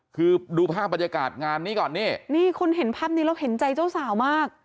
คือดูภาพบรรยากาศงานนี้ก่อนนี่นี่คุณเห็นภาพนี้แล้วเห็นใจเจ้าสาวมาก